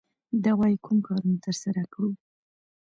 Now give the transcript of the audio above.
دا وايي کوم کارونه ترسره کړو.